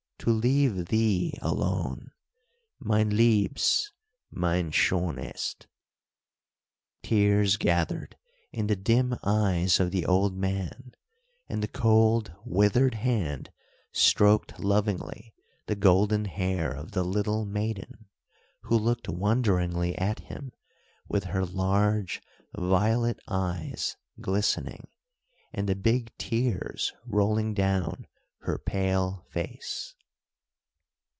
To leave thee alone! mein liebes, mein schonest." Tears gathered in the dim eyes of the old man, and the cold, withered hand stroked lovingly the golden hair of the little maiden, who looked wonderingly at him with her large, violet eyes glistening, and the big tears rolling down her pale face.